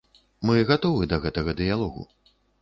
Мы гатовы да гэтага дыялогу.